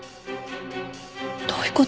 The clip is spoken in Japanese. どういう事？